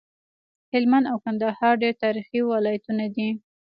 هلمند او کندهار ډير تاريخي ولايتونه دي